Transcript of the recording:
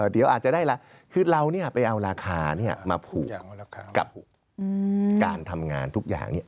เดี๋ยวอาจจะได้ละคือเราเนี่ยไปเอาราคาเนี่ยมาผูกกับการทำงานทุกอย่างเนี่ย